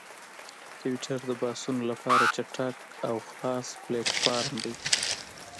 ټویټر د بحثونو لپاره چټک او خلاص پلیټفارم دی.